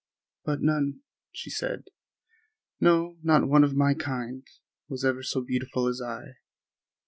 "But none," she said, "no, not one of my kind, was ever so beautiful as I."